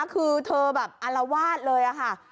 คือเธอแบบอัลลวาสเลยอะค่ะ